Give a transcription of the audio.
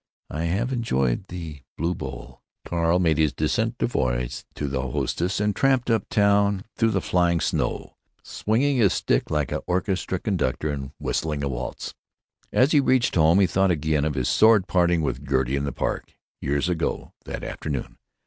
I have enjoyed the blue bowl." Carl made his decent devoirs to his hostess and tramped up town through the flying snow, swinging his stick like an orchestra conductor, and whistling a waltz. As he reached home he thought again of his sordid parting with Gertie in the Park—years ago, that afternoon.